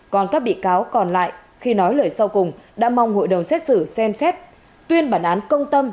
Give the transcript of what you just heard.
còn các bị cáo còn lại khi nói lời sau cùng đã mong hội đồng xét xử xem xét tuyên bản án công tâm